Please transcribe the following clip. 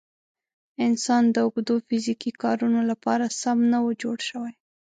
انسان د اوږدو فیزیکي کارونو لپاره سم نه و جوړ شوی.